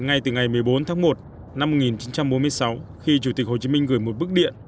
ngay từ ngày một mươi bốn tháng một năm một nghìn chín trăm bốn mươi sáu khi chủ tịch hồ chí minh gửi một bức điện